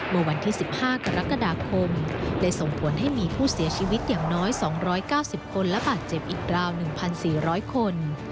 เมื่อวันที่๑๕กรกฎาคมได้ส่งผลให้มีผู้เสียชีวิตอย่างน้อย๒๙๐คนและบาดเจ็บอีกราว๑๔๐๐คน